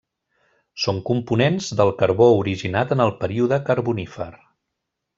Són components del carbó originat en el període Carbonífer.